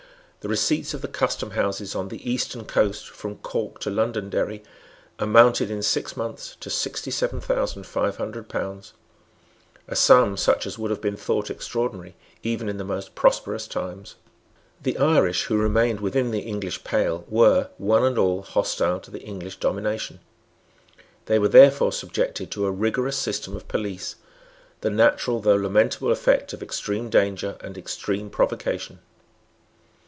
The receipts of the custom houses on the eastern coast, from Cork to Londonderry, amounted in six months to sixty seven thousand five hundred pounds, a sum such as would have been thought extraordinary even in the most prosperous times. The Irish who remained within the English pale were, one and all, hostile to the English domination. They were therefore subjected to a rigorous system of police, the natural though lamentable effect of extreme danger and extreme provocation.